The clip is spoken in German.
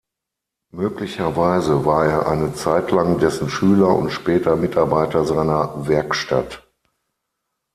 Möglicherweise war er eine Zeit lang dessen Schüler und später Mitarbeiter seiner Werkstatt.